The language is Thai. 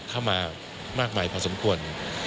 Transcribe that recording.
เข้ามามากมายพอสมควร